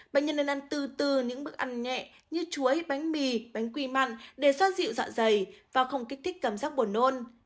bạn nên ăn từ từ những bước ăn nhẹ như chuối bánh mì bánh quy mặn để soát dịu dọa dày và không kích thích cảm giác buồn nôn